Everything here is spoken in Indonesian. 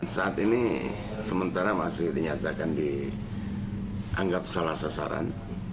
saat ini sementara masih dinyatakan dianggap salah sasaran